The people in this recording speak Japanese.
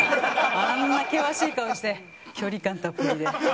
あんな険しい顔して距離感たっぷりで。